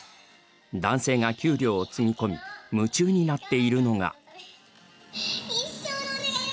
男性が、給料をつぎ込み夢中になっているのが。